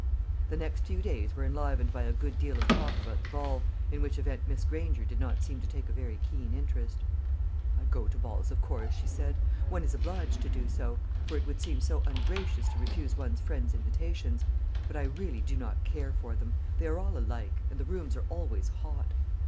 The next few days were enlivened by a good deal of talk about the ball, in which event Miss Granger did not seem to take a very keen interest. "I go to balls, of course," she said; "one is obliged to do so: for it would seem so ungracious to refuse one's friends' invitations; but I really do not care for them. They are all alike, and the rooms are always hot."